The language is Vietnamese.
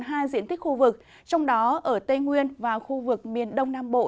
hai diện tích khu vực trong đó ở tây nguyên và khu vực miền đông nam bộ